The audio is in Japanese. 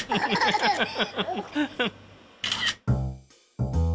ハハハハ。